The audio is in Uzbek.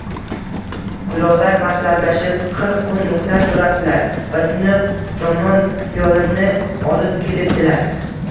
Kulollar maslahatlashib qirq kun muhlat so‘rabdilar va siniq jonon piyolani olib ketibdilar